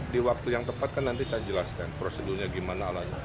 di waktu yang tepat kan nanti saya jelaskan prosedurnya gimana alatnya